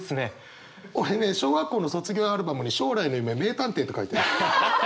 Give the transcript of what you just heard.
俺ね小学校の卒業アルバムに「将来の夢名探偵」って書いてあった。